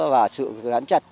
và sự gắn chặt